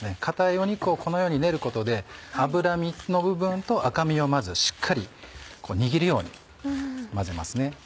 硬い肉をこのように練ることで脂身の部分と赤身をまずしっかりこう握るように混ぜますね。